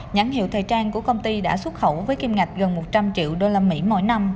nhãn hiệu thời trang của công ty đã xuất khẩu với kim ngạch gần một trăm linh triệu usd mỗi năm